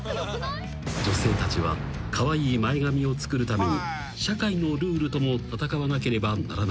［女性たちはカワイイ前髪を作るために社会のルールとも戦わなければならなくなった］